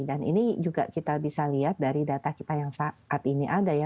ini juga kita bisa lihat dari data kita yang saat ini ada ya